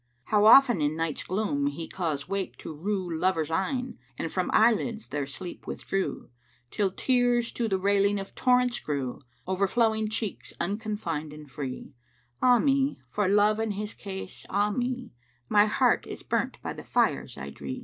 How oft in Night's gloom he cause wake to rue * Lovers' eyne, and from eyelids their sleep withdrew; Till tears to the railing of torrents grew, * Overflowing cheeks , unconfined and free: 'Ah me, for Love and his case, ah me: My heart is burnt by the fires I dree!'